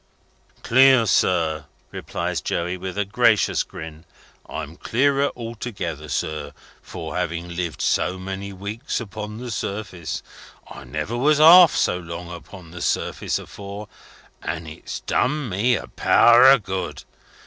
"Clear, sir," replies Joey, with a gracious grin. "I'm clearer altogether, sir, for having lived so many weeks upon the surface. I never was half so long upon the surface afore, and it's done me a power of good.